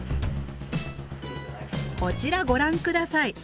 こちらご覧下さい。